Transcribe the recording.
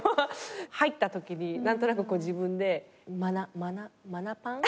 入ったときに何となく自分でマナマナマナパン？